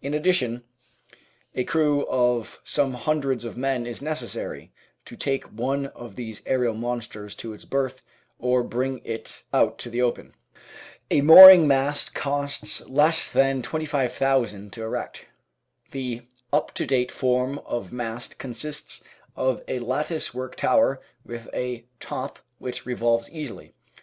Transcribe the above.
In addition, a crew of some hundreds of men is neces ', sary to take one of these aerial monsters to its berth, or bring it ut to the open. A mooring mast costs less than 25,000 to erect. The up to date form of mast consists of a lattice work tower with a top which revolves easily.